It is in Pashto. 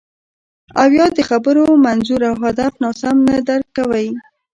او یا د خبرو منظور او هدف ناسم نه درک کوئ